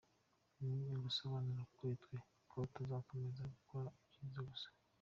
Ni igisobanura kuri twe ko tuzakomeza gukora ibyiza gusa.